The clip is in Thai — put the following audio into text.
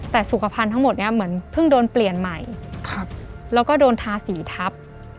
แต่สุขภัณฑ์ทั้งหมดนี้เหมือนเพิ่งโดนเปลี่ยนใหม่แล้วก็โดนทาสีทับ